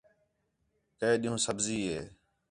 کَئے ݙِین٘ہوں سبزی ہِے